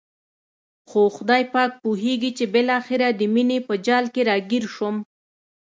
خو خدای پاک پوهېږي چې بالاخره د مینې په جال کې را ګیر شوم.